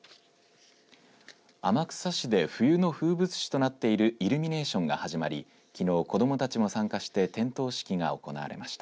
天草市で冬の風物詩となっているイルミネーションが始まりきのう子どもたちも参加して点灯式が行われました。